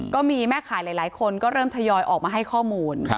ก็มีแม่ขายหลายคนก็เริ่มทยอยออกมาให้ข้อมูล